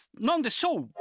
何でしょう？